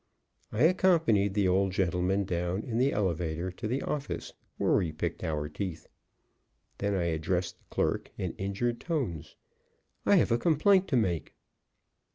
I accompanied the old gentleman down in the elevator, to the office, where we picked our teeth. Then I addressed the clerk in injured tones: "I have a complaint to make."